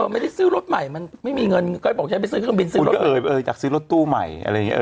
ไม่ได้ซื้อรถใหม่ไม่มีเงินไงก็ให้บ้าง